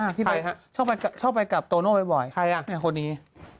ใครครั่ะชอบไปกับโตหน้าบ่อยใครอ่ะนี่คนนี้